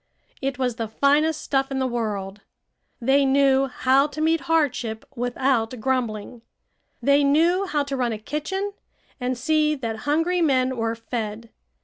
It was the finest stuff in the world. They knew how to meet hardship without grumbling. They knew how to run a kitchen and see that hungry men were fed.